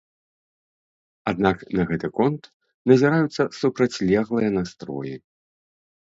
Аднак на гэты конт назіраюцца супрацьлеглыя настроі.